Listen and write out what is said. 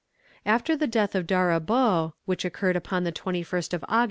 After the death of D'Auribeau, which occurred upon the 21st of Aug.